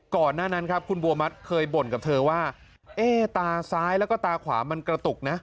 ก่อนหน้านั้นครับคุณบัวมัติเคยบ่นกับเธอว่าเอ๊ตาซ้ายแล้วก็ตาขวามันกระตุกนะ